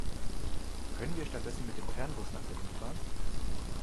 Können wir stattdessen mit dem Fernbus nach Berlin fahren?